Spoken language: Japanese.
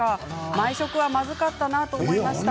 毎食はまずかったなと思いました。